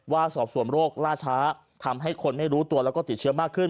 สอบส่วนโรคล่าช้าทำให้คนไม่รู้ตัวแล้วก็ติดเชื้อมากขึ้น